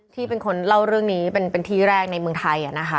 ที่เป็นคนเล่าเรื่องนี้เป็นที่แรกในเมืองไทย